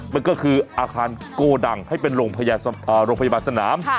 มันก็คืออาคารโกดังให้เป็นโรงพยาบาลสนาม